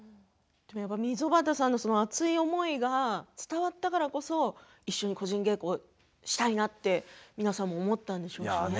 溝端さんの熱い思いが伝わったからこそ一緒に個人稽古したいなって皆さんも思ったんでしょうね。